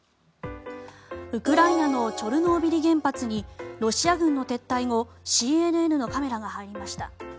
ウクライナのチョルノービリ原発にロシア軍の撤退後ＣＮＮのカメラが入りました。